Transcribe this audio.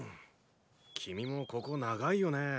君もここ長いよねぇ。